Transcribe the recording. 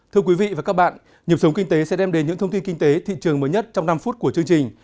thưa quý vị và các bạn nhiệm sống kinh tế sẽ đem đến những thông tin kinh tế thị trường mới nhất trong năm phút của chương trình